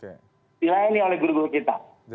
dilayani oleh guru guru kita